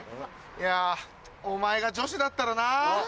いやお前が女子だったらな。